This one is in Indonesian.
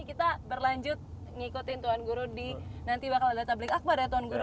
kita berlanjut ngikutin tuan guru di nanti bakal ada tablik akbar ya tuan guru